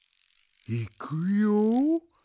いくよ。